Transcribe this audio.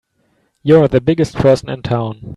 You're the biggest person in town!